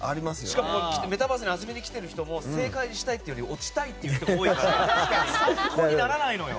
しかもメタバースに遊びに来ている人も正解したいというより落ちたいという人が多いから参考にならないのよ！